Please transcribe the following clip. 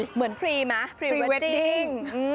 เหมือนพรีมะพรีเวดดิ้ง